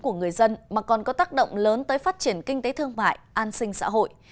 của người dân mà còn có tác động lớn tới phát triển kinh tế thương mại an sinh xã hội